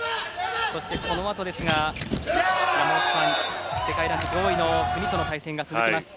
そして、このあとですが山本さん世界ランク上位の国との対戦が続きます。